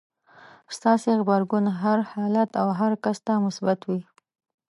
ستاسې غبرګون هر حالت او هر کس ته مثبت وي.